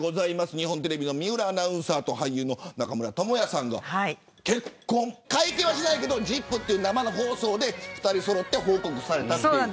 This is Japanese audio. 日本テレビの水卜アナウンサーと俳優の中村倫也さんが結婚会見はしないけどＺＩＰ！という生放送で２人そろって報告された。